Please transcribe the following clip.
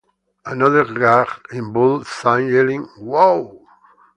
Another gag involved Sam yelling 'Whoa!